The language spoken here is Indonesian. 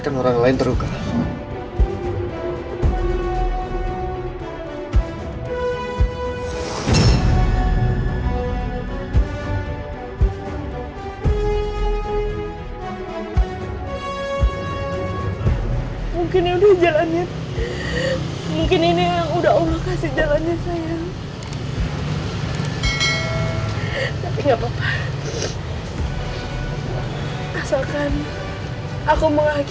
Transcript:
karena kita makin bersama